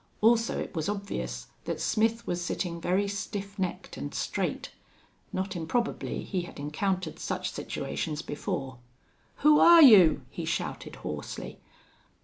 Also it was obvious that Smith was sitting very stiff necked and straight. Not improbably he had encountered such situations before. "Who're you?" he shouted, hoarsely.